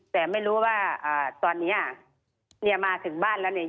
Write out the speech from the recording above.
แต่ไม่รู้ว่าตอนนี้มาถึงบ้านแล้ว